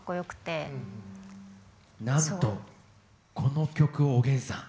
なんとこの曲をおげんさん。